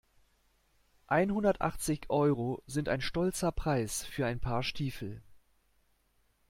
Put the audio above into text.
Einhundertachtzig Euro sind ein stolzer Preis für ein Paar Stiefel.